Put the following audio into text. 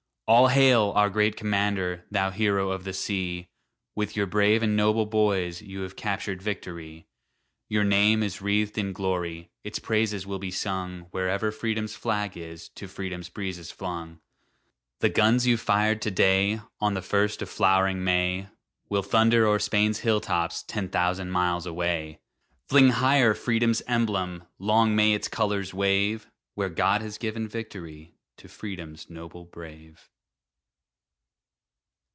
All hail! our great commander, Thou hero of the sea, With your brave and noble boys you Have captured victory. Your name is wreathed in glory, Its praises will be sung Wherever Freedom's flag is To Freedom's breezes flung. The guns you've fired to day, On the first of flow'ring May, Will thunder o'er Spain's hilltops Ten thousand miles away! Fling higher Freedom's emblem! Long may its colors wave Where God has given victory To Freedom's noble brave.